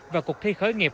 và cuộc thi khởi nghiệp